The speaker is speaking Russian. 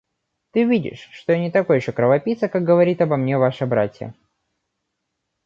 Ты видишь, что я не такой еще кровопийца, как говорит обо мне ваша братья.